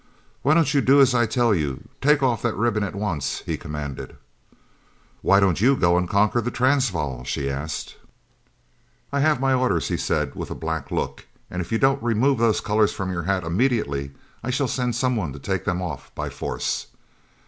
"Why don't you do as I tell you? Take off that ribbon at once," he commanded. "Why don't you go and conquer the Transvaal?" she asked. "I have my orders," he said, with a black look, "and if you don't remove those colours from your hat immediately, I shall send some one to take them off by force."